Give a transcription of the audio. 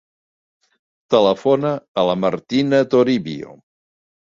Telefona a la Martina Toribio.